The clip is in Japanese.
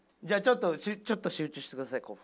じゃあちょっとちょっと集中してください。